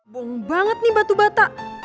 bong banget nih batu bata